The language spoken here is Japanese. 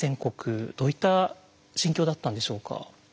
どういった心境だったんでしょうか？